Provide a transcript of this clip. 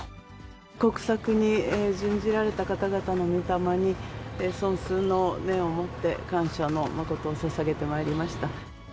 国策に殉じられた方々のみ霊に、尊崇の念をもって感謝の誠をささげてまいりました。